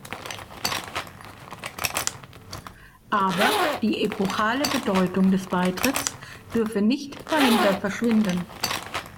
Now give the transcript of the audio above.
Aber die epochale Bedeutung des Beitritts dürfe nicht dahinter verschwinden.